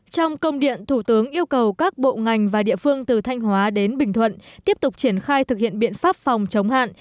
trong công điện thủ tướng yêu cầu các bộ ngành và địa phương từ thanh hóa đến bình thuận tiếp tục triển khai thực hiện biện pháp phòng chống hạn